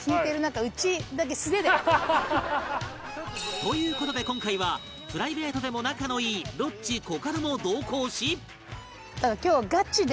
という事で今回はプライベートでも仲のいいロッチコカドも同行し